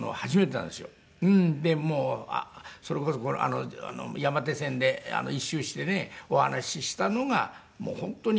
でもうそれこそ山手線で１周してねお話ししたのがもう本当に。